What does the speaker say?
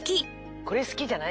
これ好きじゃない？